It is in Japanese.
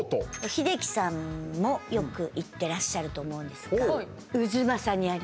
英樹さんもよく行ってらっしゃると思うんですが。